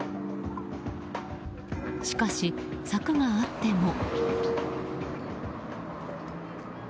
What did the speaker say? しかし、柵があっても。